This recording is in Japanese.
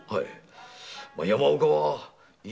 はい。